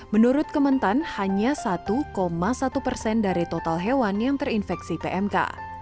menurut kementan hanya satu satu persen dari total hewan yang terinfeksi pmk